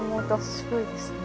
すごいですね。